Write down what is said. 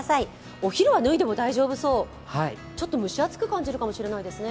お昼は脱いでも大丈夫そう、ちょっと蒸し暑く感じるかもしれないですね。